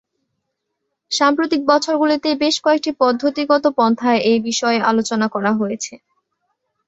সাম্প্রতিক বছরগুলিতে বেশ কয়েকটি পদ্ধতিগত পন্থায় এ বিষয়ে আলোচনা করা হয়েছে।